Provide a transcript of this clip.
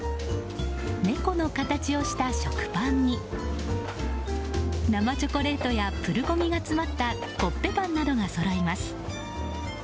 猫の形をした食パンに生チョコレートやプルコギが詰まったコッペパンなどがそろいます。